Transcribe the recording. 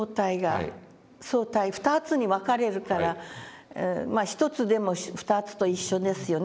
相対２つに分かれるからまあ１つでも２つと一緒ですよね